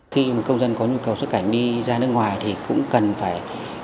khi mà công dân có nhu cầu xuất cảnh đi ra nước ngoài thì cũng cần phải